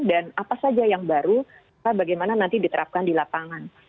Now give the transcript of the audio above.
dan apa saja yang baru bagaimana nanti diterapkan di lapangan